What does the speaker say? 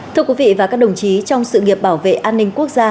thưa quý vị và các đồng chí trong sự nghiệp bảo vệ an ninh quốc gia